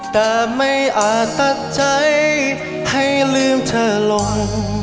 แต่ไม่อาจตัดใจให้ลืมเธอลง